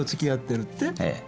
ええ。